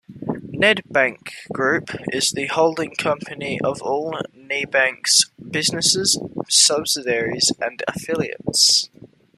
Nedbank Group is the holding company of all Nebank's businesses, subsidiaries and affiliates.